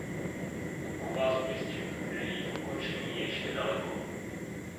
Mohu vás ujistit, že jejich ukončení je ještě daleko.